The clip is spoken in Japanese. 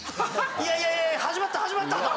いやいや始まった始まった！